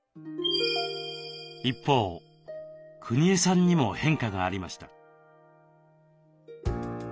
一方くにえさんにも変化がありました。